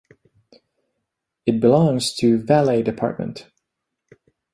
It belongs to Valle department.